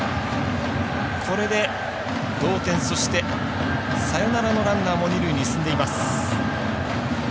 これで同点、そしてサヨナラのランナーも二塁に進んでいます。